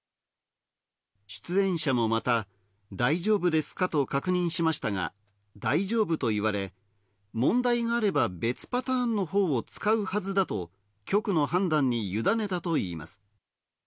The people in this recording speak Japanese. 出演者もまた、大丈夫ですか？と確認しましたが、大丈夫と言われ、問題があれば別パターンのほうを使うはずだと、局の判断にゆだねたといいます。